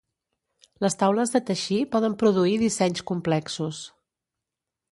Les taules de teixir poden produir dissenys complexos.